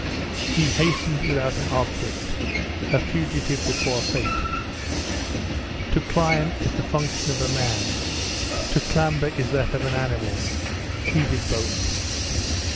He hastened without an object a fugitive before Fate. To climb is the function of a man; to clamber is that of an animal he did both.